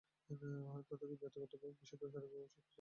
তাদেরকে জাতিগতভাবে বিশুদ্ধ এবং শারীরিকভাবে শক্তিশালী হতে হয়েছিল।